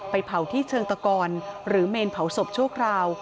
เผาที่เชิงตะกอนหรือเมนเผาศพชั่วคราว